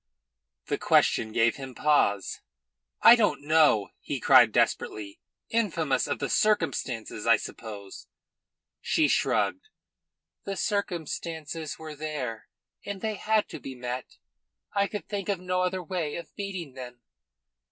The question gave him pause. "I don't know!" he cried desperately. "Infamous of the circumstances, I suppose." She shrugged. "The circumstances were there, and they had to be met. I could think of no other way of meeting them."